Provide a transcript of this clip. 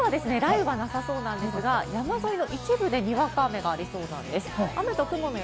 今日は雷雨はなさそうなんですが、山沿いの一部でにわか雨がありそうです。